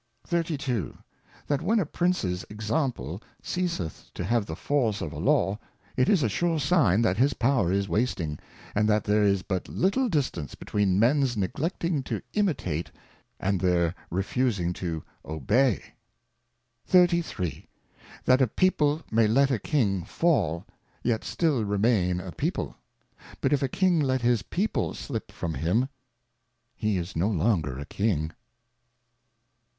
32. That when a Princes Example ceaseth to have the force "of Maxims of State. 183 of a Law, it is a sure sign that_his^Po2^r is wastiijg, aud that there is but little distance between Men's neglecting t0 7»«ite^ and their refusin g to Obey. 33. That a People may let a Kinff fall, yet still re main a People; but if a iTm^ let His People slip from him, he is no longer Kini